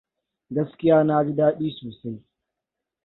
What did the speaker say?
Gaskiya na ji daɗi sosai.